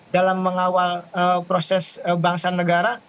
dalam mengawal proses bangsa negara